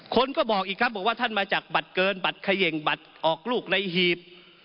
คนก็บอกอีกครับบอกว่าท่านมาจากบัตรเกินบัตรเขย่งบัตรออกลูกในหีบ